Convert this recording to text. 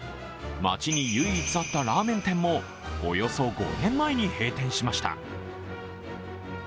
町に唯一あったラーメン店もおよそ５年前に閉店しました。